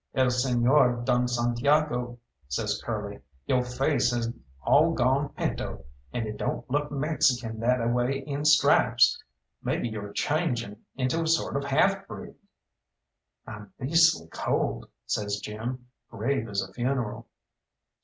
"El Señor Don Santiago," says Curly, "yo' face has all gawn pinto, and it don't look Mexican that a way in stripes. Maybe yo're changing into a sort of half breed." "I'm beastly cold," says Jim, grave as a funeral.